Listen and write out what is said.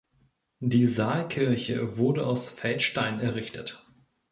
Die Saalkirche wurde aus Feldstein errichtet.